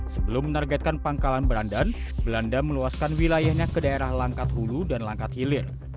sebelum menargetkan pangkalan berandan belanda meluaskan wilayahnya ke daerah langkat hulu dan langkat hilir